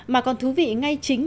mà còn thú vị ngay chính